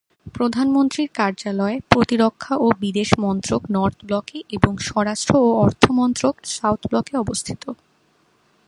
প্রধানমন্ত্রীর কার্যালয়, প্রতিরক্ষা ও বিদেশ মন্ত্রক নর্থ ব্লকে এবং স্বরাষ্ট্র ও অর্থ মন্ত্রক সাউথ ব্লকে অবস্থিত।